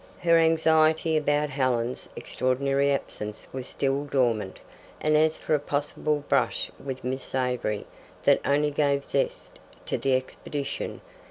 Her anxiety about Helen's extraordinary absence was still dormant, and as for a possible brush with Miss Avery that only gave zest to the expedition.